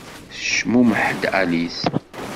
Tecmumeḥ-d Alice.